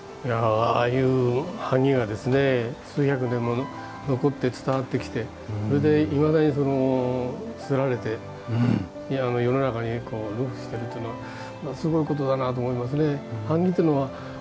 ああいう版木が数百年も残って伝わってきてそれでいまだに刷られて今の世の中に流布してるというのはすごいことだなと思いますね。